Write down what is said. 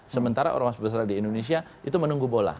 sementara ormas besar di indonesia itu menunggu bola